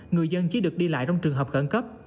người dân chỉ được đi lại trong trường hợp khẩn cấp